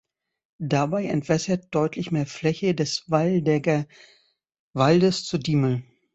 Dabei entwässert deutlich mehr Fläche des Waldecker Waldes zur Diemel.